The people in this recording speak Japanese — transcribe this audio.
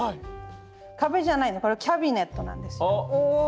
壁じゃないのこれキャビネットなんです。